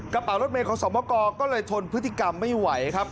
กระเป๋ารถเมย์ของสมกรก็เลยทนพฤติกรรมไม่ไหวครับ